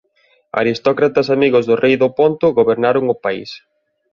Aristócratas amigos do rei do Ponto gobernaron o país.